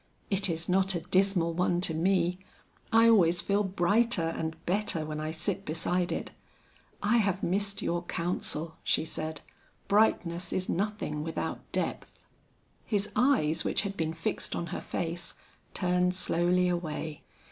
"It is not a dismal one to me. I always feel brighter and better when I sit beside it. I have missed your counsel," she said; "brightness is nothing without depth." His eyes which had been fixed on her face, turned slowly away.